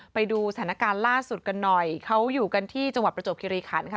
ไปดูสถานการณ์ล่าสุดกันหน่อยเขาอยู่กันที่จังหวัดประจวบคิริขันค่ะ